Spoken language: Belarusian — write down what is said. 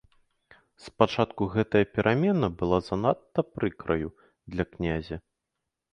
Спачатку гэтая перамена была занадта прыкраю для князя.